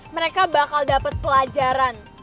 mereka bakal dapet pelajaran